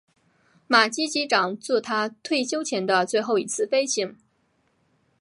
马基机长作他退休前的最后一次飞行。